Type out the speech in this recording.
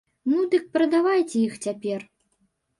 Ну дык прадавайце іх цяпер.